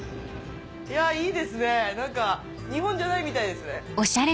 いいですね何か日本じゃないみたいですね。